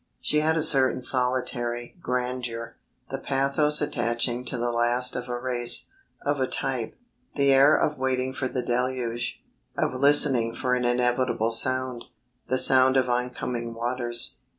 She had a certain solitary grandeur, the pathos attaching to the last of a race, of a type; the air of waiting for the deluge, of listening for an inevitable sound the sound of oncoming waters.